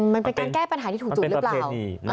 มันเป็นการแก้ปัญหาที่ถูกจุดหรือเปล่า